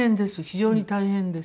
非常に大変です。